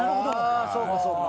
そうかそうか。